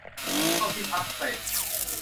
เข้าที่พักเสร็จ